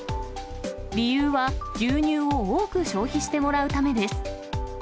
理由は牛乳を多く消費してもらうためです。